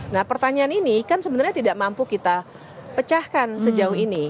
nah pertanyaan ini kan sebenarnya tidak mampu kita pecahkan sejauh ini